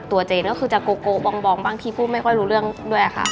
เจนก็คือจะโกโกะบองบางทีพูดไม่ค่อยรู้เรื่องด้วยค่ะ